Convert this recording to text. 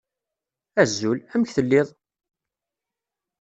Azul! Amek telliḍ?